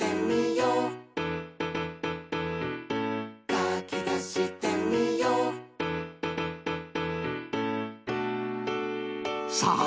「かきたしてみよう」さあ！